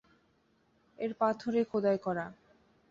এর পাথরে খোদাই করা।